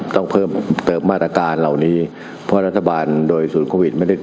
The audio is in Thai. ต้องเพิ่มเติมมาตรการเหล่านี้เพราะรัฐบาลโดยศูนย์โควิดไม่ได้